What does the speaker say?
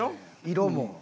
色も。